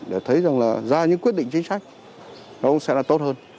để thấy rằng là ra những quyết định chính sách nó cũng sẽ là tốt hơn